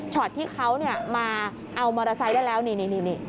ที่เขามาเอามอเตอร์ไซค์ได้แล้วนี่